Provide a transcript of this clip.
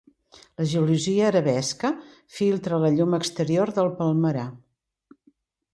La gelosia arabesca filtra la llum exterior del palmerar.